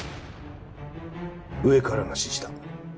上からの指示だ。